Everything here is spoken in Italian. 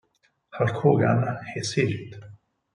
Hulk Hogan e Sgt.